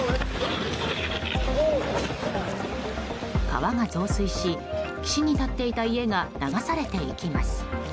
川が増水し、岸に建っていた家が流されていきます。